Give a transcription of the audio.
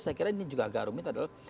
saya kira ini juga agak rumit adalah